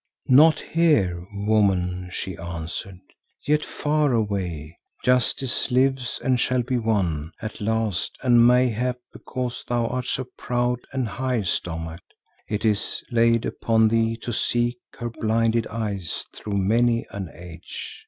"'Not here, Woman,' she answered. 'Yet far away Justice lives and shall be won at last and mayhap because thou art so proud and high stomached, it is laid upon thee to seek her blinded eyes through many an age.